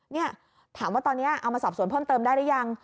นี่ถามว่าตอนนี้เอามาสอบสวนเพิ่มเติมได้หรือยัง